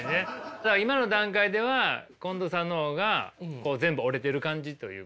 じゃあ今の段階では近藤さんの方が全部折れてる感じというか。